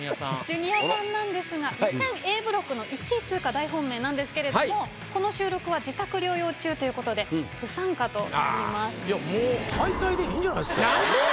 ジュニアさんなんですが予選Ａブロックの１位通過大本命なんですけれどもこの収録は自宅療養中ということで不参加となります。